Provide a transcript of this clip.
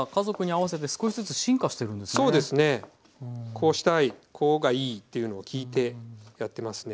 こうしたいこうがいいっていうのを聞いてやってますね。